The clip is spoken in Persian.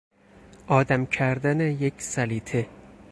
آدم کردن یک سلیطه